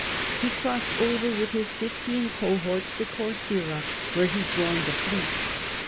He crossed over with his fifteen cohorts to Corcyra, where he joined the fleet.